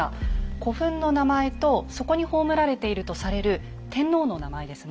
古墳の名前とそこに葬られているとされる天皇の名前ですね。